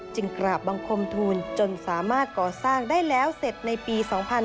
กราบบังคมทูลจนสามารถก่อสร้างได้แล้วเสร็จในปี๒๕๕๙